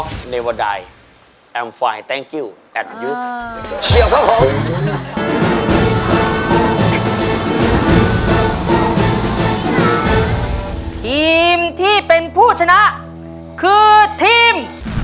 ทีมที่เป็นผู้ชนะคือทีม